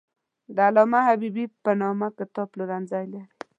د علامه حبیبي په نامه کتاب پلورنځی لري.